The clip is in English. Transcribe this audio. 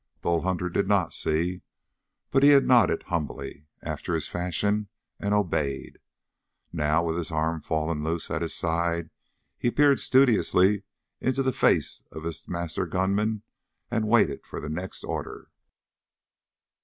Bull Hunter did not see, but he had nodded humbly, after his fashion, and obeyed. Now, with his arm fallen loose at his side he peered studiously into the face of his master gunman and waited for the next order.